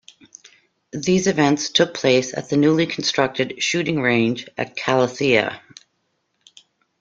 These events took place at the newly constructed shooting range at Kallithea.